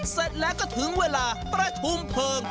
เสร็จแล้วก็ถึงเวลาประชุมเพลิง